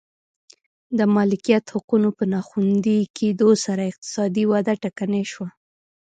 د مالکیت حقونو په ناخوندي کېدو سره اقتصادي وده ټکنۍ شوه.